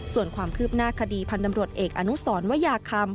ส่วนความคืบหน้าคดีพันธ์ตำรวจเอกอนุสวยาคำ